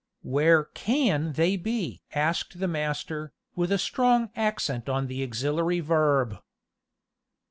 "Where can they be?" asked the master, with a strong accent on the auxiliary verb.